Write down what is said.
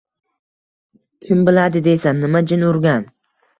Kim biladi deysan, nima jin urgan